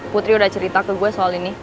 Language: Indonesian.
putri udah cerita ke gue soal ini